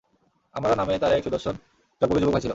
আম্মারা নামে তার এক সুদর্শন টগবগে যুবক ভাই ছিল।